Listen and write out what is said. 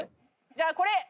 じゃあこれ！